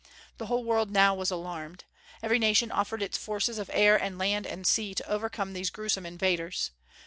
The whole world now was alarmed. Every nation offered its forces of air and land and sea to overcome these gruesome invaders.